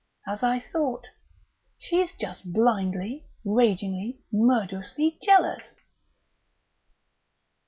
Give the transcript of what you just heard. "As I thought.... She's just blindly, ragingly, murderously jealous."